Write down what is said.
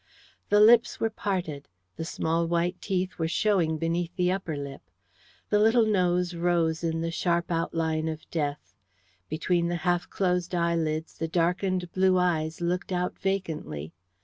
The lips were parted; the small white teeth were showing beneath the upper lip. The little nose rose in the sharp outline of death; between the half closed eyelids the darkened blue eyes looked out vacantly.